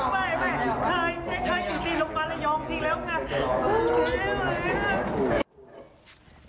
ไม่ภายบุตรมันกก้าวเรางออกจริงแล้วกัน